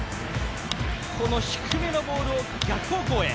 この低めのボールを逆方向へ。